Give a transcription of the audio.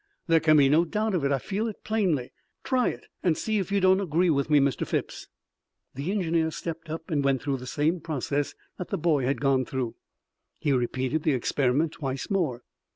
There can be no doubt of it. I feel it plainly. Try it and see if you don't agree with me, Mr. Phipps." The engineer stepped up and went through the same process that the boy had gone through. He repeated the experiment twice more.